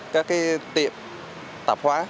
các cái tiệm tạp hóa